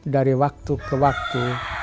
dari waktu ke waktu